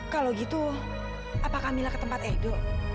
kalau gitu apa kamila ke tempat edo